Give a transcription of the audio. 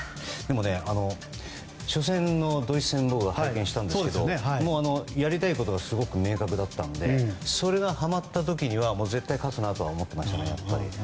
初戦のドイツ戦僕は拝見したんですけどやりたいことがすごく明確だったのでそれがはまった時絶対に勝つと思っていましたね。